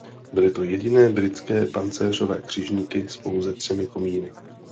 Byly to jediné britské pancéřové křižníky s pouze třemi komíny.